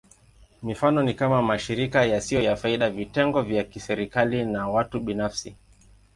Mifano ni kama: mashirika yasiyo ya faida, vitengo vya kiserikali, na watu binafsi.